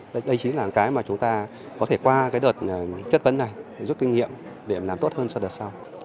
đây chính là một cái mà chúng ta có thể qua đợt chất vấn này giúp kinh nghiệm để làm tốt hơn sau đợt sau